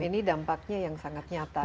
ini dampaknya yang sangat nyata